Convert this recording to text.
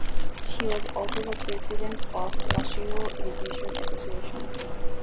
She was also the president of the Washoe Education Association.